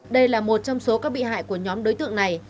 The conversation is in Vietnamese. đây là một trong số các bị hại của nhóm đối tượng này